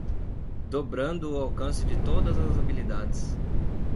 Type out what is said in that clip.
Dobrando o alcance de todas as habilidades